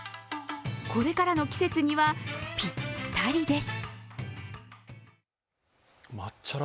これからの季節にはぴったりです。